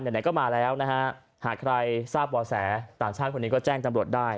ไหนก็มาแล้วนะฮะหากใครทราบบ่อแสต่างชาติคนนี้ก็แจ้งจำรวจได้